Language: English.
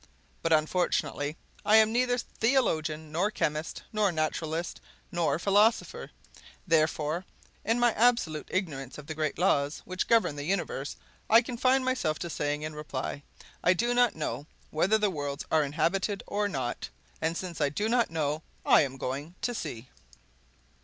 But, unfortunately, I am neither theologian, nor chemist, nor naturalist, nor philosopher; therefore, in my absolute ignorance of the great laws which govern the universe, I confine myself to saying in reply, 'I do not know whether the worlds are inhabited or not: and since I do not know, I am going to see!